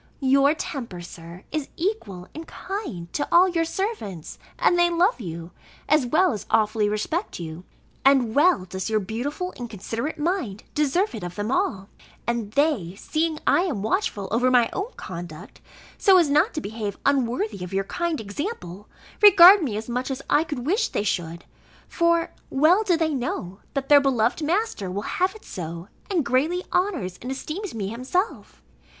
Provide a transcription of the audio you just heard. Your temper, Sir, is equal and kind to all your servants, and they love you, as well as awfully respect you: and well does your beautiful and considerate mind, deserve it of them all: and they, seeing I am watchful over my own conduct, so as not to behave unworthy of your kind example, regard me as much as I could wish they should; for well do they know, that their beloved master will have it so, and greatly honours and esteems me himself.